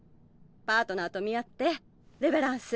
パートナーと見合ってレヴェランス。